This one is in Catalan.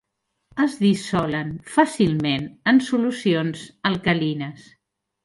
Es dissolen fàcilment en solucions alcalines.